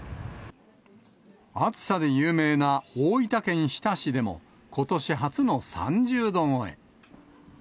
暑さで有名な大分県日田市でも、ことし初の３０度超え。